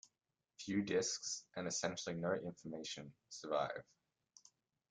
Few discs, and essentially no information, survive.